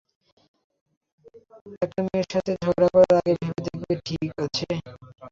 একটা মেয়ের সাথে ঝগড়া করার আগে ভেবে দেখবে, ঠিক আছে?